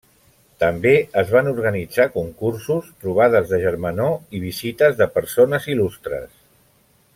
També es van organitzar concursos, trobades de germanor i visites de persones il·lustres.